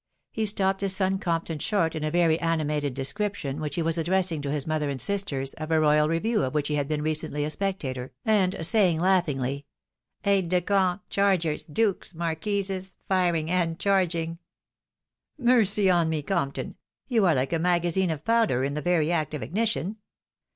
He stopped his son Compton short in a very animated descrip tion, which he was addressing to his mother and sisters, of a royal review of which he had been recently a spectator, and saying, laughingly, " Aides de camp — chargers—dukes — mar quises — firing and charging 1 " Mercy on me, Compton ! you are like a magazine of pow der in the very act of ignition.